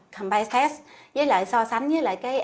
combined test với lại so sánh với lại cái